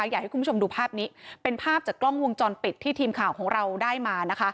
อยากให้คุณผู้ชมดูภาพนี้เป็นภาพจากกล้องวงจรปิดที่ทีมข่าวของเราได้มานะคะ